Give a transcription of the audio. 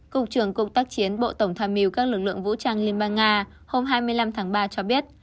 cục trưởng cục tác chiến bộ tổng tham mưu các lực lượng vũ trang liên bang nga hôm hai mươi năm tháng ba cho biết